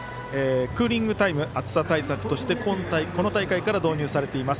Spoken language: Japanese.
クーリングタイム暑さ対策としてこの大会から導入されています。